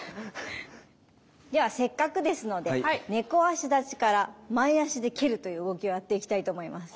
ではせっかくですので猫足立ちから前足で蹴るという動きをやっていきたいと思います。